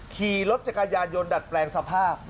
ขี่รถจักรยานยนต์ดัดแปลงสภาพ